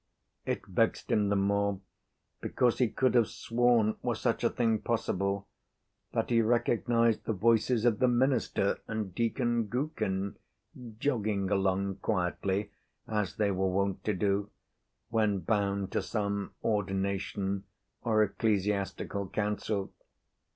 It vexed him the more, because he could have sworn, were such a thing possible, that he recognized the voices of the minister and Deacon Gookin, jogging along quietly, as they were wont to do, when bound to some ordination or ecclesiastical council.